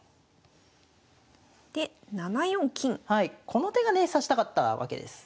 この手がね指したかったわけです。